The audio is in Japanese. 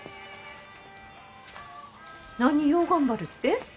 何を頑張るって？